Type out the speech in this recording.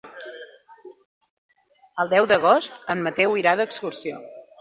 El deu d'agost en Mateu irà d'excursió.